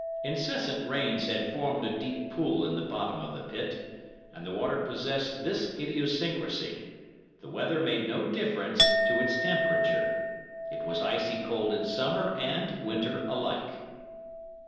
Incessant rains had formed a deep pool in the bottom of the pit, and the water possessed this idiosyncrasy—the weather made no difference to its temperature—it was icy cold in summer and winter alike.